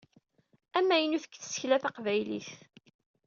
Amaynut deg tasekla Taqbaylit.